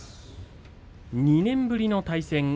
２年ぶりの対戦です。